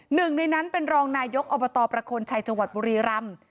หนึ่งในนั้นเป็นรองนายยกอบตประคลชัยจบริรัมพ์